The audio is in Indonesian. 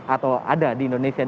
atau ada di indonesia